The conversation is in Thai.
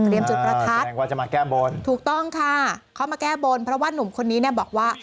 เตรียมจุดประทัดถูกต้องค่ะเขามาแก้บนเพราะว่าหนุ่มคนนี้บอกว่า